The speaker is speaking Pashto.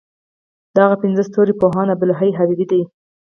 دغه پنځه ستوري پوهاند عبدالحی حبیبي دی.